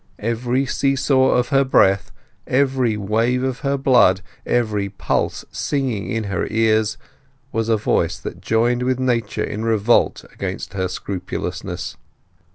Every see saw of her breath, every wave of her blood, every pulse singing in her ears, was a voice that joined with nature in revolt against her scrupulousness.